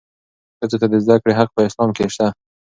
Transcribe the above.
ښځو ته د زدهکړې حق په اسلام کې شته.